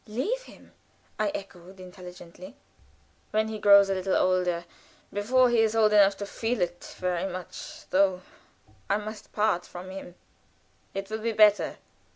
"Leave him!" I echoed, intelligently. "When he grows a little older before he is old enough to feel it very much, though, I must part from him. It will be better."